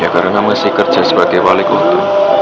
karena masih kerja sebagai wali kota